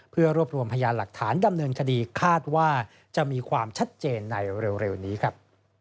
เพื่อรวบรวมพยานหลักฐานดำเนินคดีคาดว่าจะมีความชัดเจนในเร็วนี้ครับ